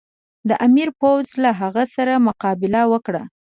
د امیر پوځ له هغه سره مقابله وکړه.